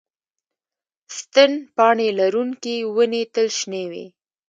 ستن پاڼې لرونکې ونې تل شنې وي